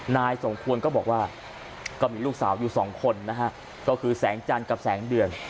นายสมควรก็บอกว่าก็มีลูกสาวอยู่สองคนนะฮะก็คือแสงจันทร์กับแสงเดือน